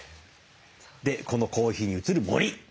でこのコーヒーに映る森。